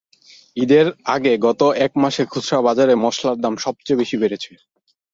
ঈদের আগে গত এক মাসে খুচরা বাজারে মসলার দাম সবচেয়ে বেশি বেড়েছে।